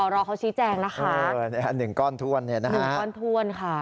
รอเขาชี้แจงนะคะนี่ค่ะหนึ่งก้อนถ้วนเนี่ยนะฮะหนึ่งก้อนถ้วนค่ะ